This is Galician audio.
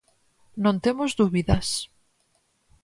Non temos dúbidas.